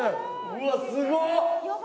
うわすごっ！